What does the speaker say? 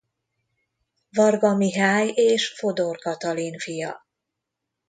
Varga Mihály és Fodor Katalin fia.